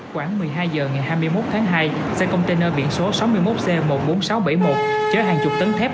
khoảng một mươi hai h ngày hai mươi một tháng hai xe container biển số sáu mươi một c một mươi bốn nghìn sáu trăm bảy mươi một chở hàng chục tấn thép